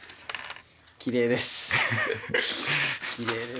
きれいです。